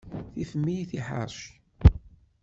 Tifem-iyi tiḥeṛci.